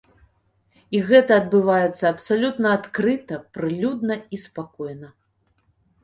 І гэта адбываецца абсалютна адкрыта, прылюдна і спакойна.